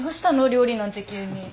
料理なんて急に。